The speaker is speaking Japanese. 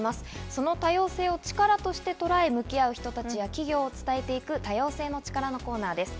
その多様性をチカラとしてとらえ向き合う人たちや企業を伝えていく「多様性のチカラ」のコーナーです。